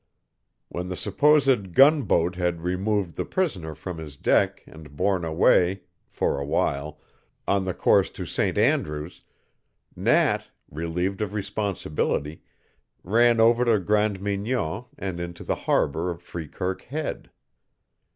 When the supposed gunboat had removed the prisoner from his deck and borne away (for a while) on the course to St. Andrew's, Nat, relieved of responsibility, ran over to Grande Mignon and into the harbor of Freekirk Head.